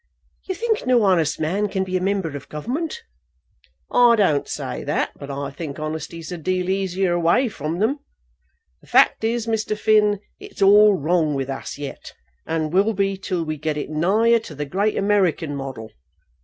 "You think no honest man can be a member of the Government?" "I don't say that, but I think honesty's a deal easier away from 'em. The fact is, Mr. Finn, it's all wrong with us yet, and will be till we get it nigher to the great American model.